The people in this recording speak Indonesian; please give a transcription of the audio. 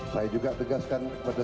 saya juga tegaskan kepada